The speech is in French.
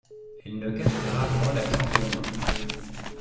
Elle ne cache que rarement l'accent viennois.